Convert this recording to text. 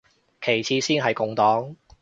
其次先係共黨